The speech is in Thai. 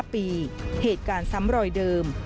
ปีเหตุการณ์ซ้ำรอยเดิม